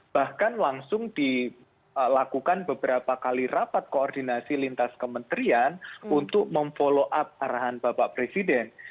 bahkan langsung dilakukan beberapa kali rapat koordinasi lintas kementerian untuk memfollow up arahan bapak presiden